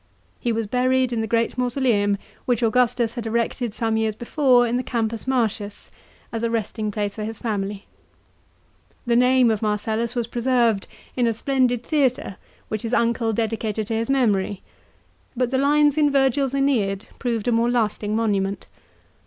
He was buried in the great mausoleum which Augustus had erected some years before in the Campus Martius, as a resting place for his family. The name of Marcellus was preserved in a splendid theatre which his uncle dedicated to his memory ; but the lines in Virgil's /Eneid* proved a more lasting monument.